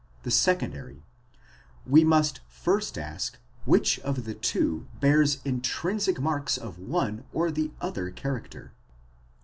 the secondary ; we must first ask which of the two bears intrinsic marks of one or the other character.